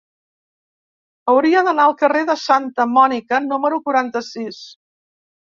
Hauria d'anar al carrer de Santa Mònica número quaranta-sis.